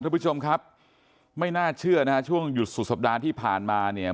ทุกผู้ชมครับไม่น่าเชื่อนะฮะช่วงหยุดสุดสัปดาห์ที่ผ่านมาเนี่ย